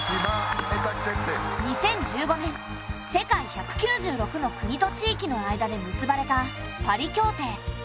２０１５年世界１９６の国と地域の間で結ばれたパリ協定。